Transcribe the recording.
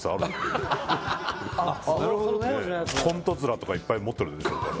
富澤：コントヅラとかいっぱい持ってるでしょうから。